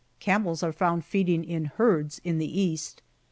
Camels are found feeding in herds in the East.